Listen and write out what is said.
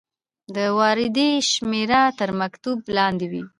د واردې شمیره تر مکتوب لاندې وي.